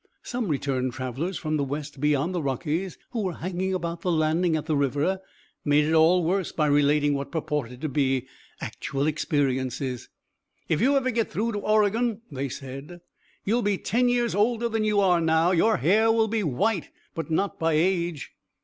Some returned travelers from the West beyond the Rockies, who were hanging about the landing at the river, made it all worse by relating what purported to be actual experiences. "If you ever get through to Oregon," they said, "you'll be ten years older than you are now. Your hair will be white, but not by age."